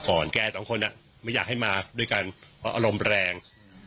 ผมแกทั้งคนน่ะไม่อยากให้มาด้วยกันอารมณ์แรง